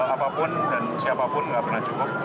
apapun dan siapapun nggak pernah cukup